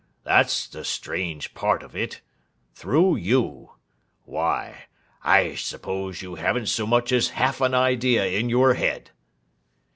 That's the strange part of it. Through you! Why, I suppose you haven't so much as half an idea in your head.